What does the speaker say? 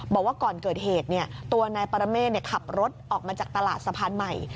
บอกว่าก่อนเกิดเหตุตัวนายปรเมฆขับรถออกมาจากตลาดสะพานใหม่